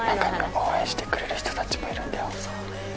応援してくれる人たちもいるんだよ。